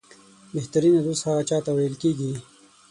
بهترینه دوست هغه چاته ویل کېږي